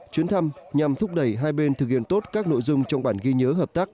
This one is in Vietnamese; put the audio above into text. chuyến thăm nhằm thúc đẩy hai bên thực hiện tốt các nội dung trong bản ghi nhớ hợp tác